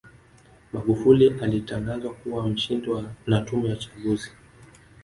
magufuli alitangazwa kuwa mshindi na tume ya uchaguzi